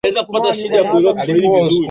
alifahamika kwa jina la Benito Musolini